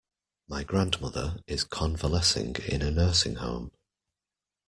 My grandmother is convalescing in a nursing home.